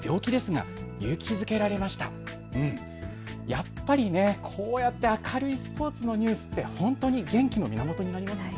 やっぱりこうやって明るいスポーツのニュースって本当に元気の源になりますよね。